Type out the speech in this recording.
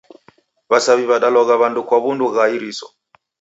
W'asaw'i w'adalogha w'andu kwa w'undu gha iriso.